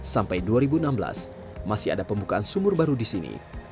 sampai dua ribu enam belas masih ada pembukaan sumur baru di sini